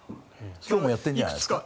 今日もやっているんじゃないですか。